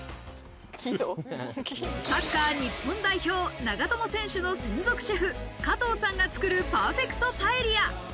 サッカー日本代表・長友選手の専属シェフ加藤さんが作るパーフェクトパエリア。